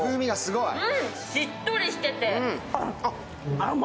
しっとりしてて。